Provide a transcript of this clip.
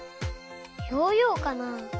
ヨーヨーかな？